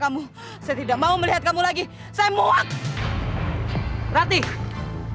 rati saya mencintai kamu hanya dengan cara menikahlah jalan satu satunya untuk menutupi rasa malu itu